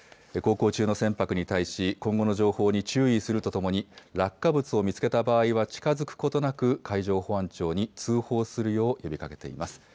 航行中の船舶に対し今後の情報に注意するとともに落下物を見つけた場合は近づくことなく海上保安庁に通報するよう呼びかけています。